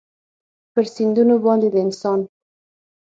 پر سیندونو باندې د انسان